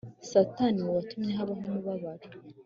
Sataniwe watumye habaho umubabaro